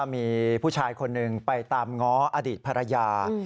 มีผู้ชายคนหนึ่งไปตามง้ออดีตภรรยา